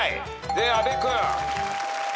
で阿部君。